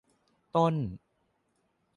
ต้น